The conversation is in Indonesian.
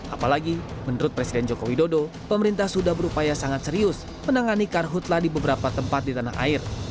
apalagi menurut presiden joko widodo pemerintah sudah berupaya sangat serius menangani karhutlah di beberapa tempat di tanah air